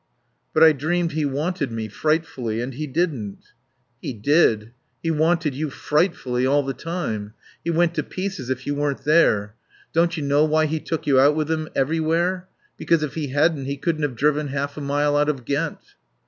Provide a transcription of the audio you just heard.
"But I dreamed he wanted me. Frightfully. And he didn't." "He did. He wanted you 'frightfully' all the time. He went to pieces if you weren't there. Don't you know why he took you out with him everywhere? Because if he hadn't he couldn't have driven half a mile out of Ghent."